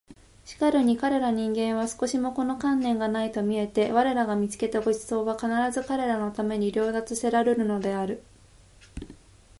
しかるに彼等人間は毫もこの観念がないと見えて我等が見付けた御馳走は必ず彼等のために掠奪せらるるのである